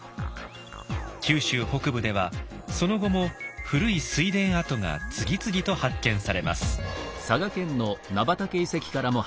九州北部ではその後も古い水田跡が次々と発見されます。